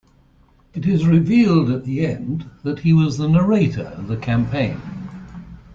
It is revealed at the end that he was the narrator of the campaign.